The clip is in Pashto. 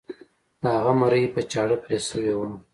د هغه مرۍ په چاړه پرې شوې وه.